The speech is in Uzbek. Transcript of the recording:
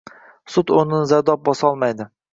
Sut oʻrnini zardob bosolmaydi